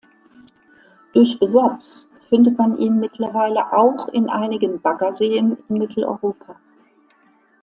Durch Besatz findet man ihn mittlerweile auch in einigen Baggerseen in Mitteleuropa.